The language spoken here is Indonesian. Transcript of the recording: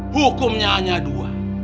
hukumnya hanya dua